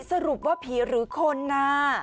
สรุปว่าผีหรือคนนะ